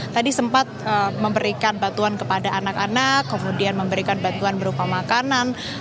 tadi sempat memberikan bantuan kepada anak anak kemudian memberikan bantuan berupa makanan